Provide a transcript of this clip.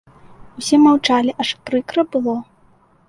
Усе маўчалі, аж прыкра было.